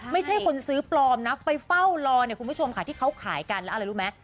ไม่ใช่คนซื้อปลอมนักไปเฝ้าลองคุณผู้ชมตามหาที่เขาขายเกิดอะไรรู้ไหม